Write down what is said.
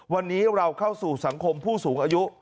วันนี้เราเข้าสู่สังคมผู้สูงอายุ